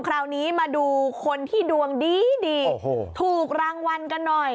คราวนี้มาดูคนที่ดวงดีดีโอ้โหถูกรางวัลกันหน่อย